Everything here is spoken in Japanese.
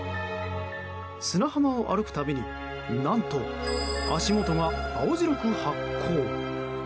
砂浜を歩くたびに何と足元が青白く発光。